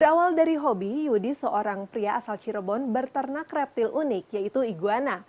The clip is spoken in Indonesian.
berawal dari hobi yudi seorang pria asal cirebon berternak reptil unik yaitu iguana